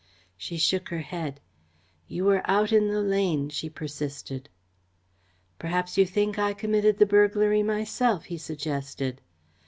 She shook her head. "You were out in the lane," she persisted. "Perhaps you think I committed the burglary myself," he suggested.